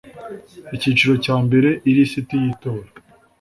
icyiciro cya mbere ilisiti y itora